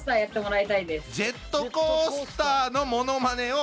ジェットコースターのものまねを。